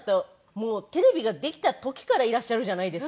もうテレビができた時からいらっしゃるじゃないですか。